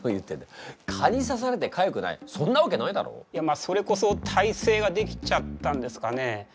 あそれこそ耐性ができちゃったんですかね。